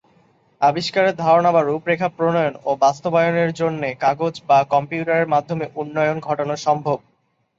আবিষ্কারের ধারণা বা রূপরেখা প্রণয়ন ও বাস্তবায়নের জন্যে কাগজ বা কম্পিউটারের মাধ্যমে উন্নয়ন ঘটানো সম্ভব।